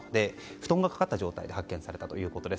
布団がかかった状態で発見されたということです。